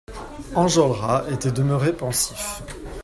Enjolras était demeuré pensif.